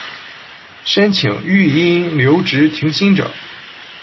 申请育婴留职停薪者